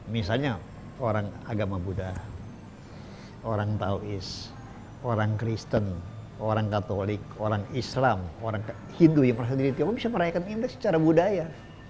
misalnya orang agama buddha orang taois orang kristen orang katolik orang islam orang hindu yang merasa diri tiongkok bisa merayakan imlek secara budaya